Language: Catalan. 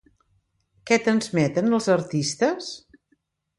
Què transmeten els artistes?